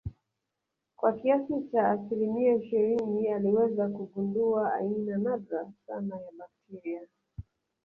kwa kiasi cha asilimia ishirini aliweza kugundua aina nadra sana ya bakteria